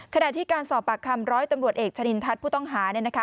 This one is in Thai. ขณะที่การสอบปากคำร้อยตำรวจเอกชะนินทัศน์ผู้ต้องหา